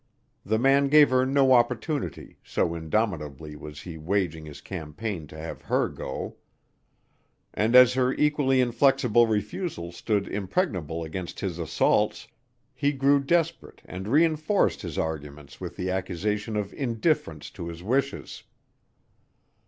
The man gave her no opportunity, so indomitably was he waging his campaign to have her go. And as her equally inflexible refusal stood impregnable against his assaults, he grew desperate and reënforced his arguments with the accusation of indifference to his wishes.